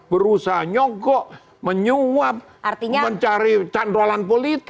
berusaha nyokok menyuap mencari candrolan politik